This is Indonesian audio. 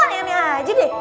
ayani aja deh